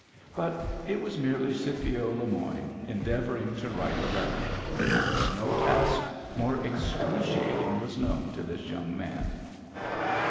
But it was merely Scipio Le Moyne endeavoring to write a letter; and no task more excruciating was known to this young man.